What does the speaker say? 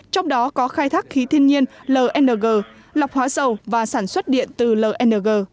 trong đó có khai thác khí thiên nhiên lng lọc hóa dầu và sản xuất điện từ lng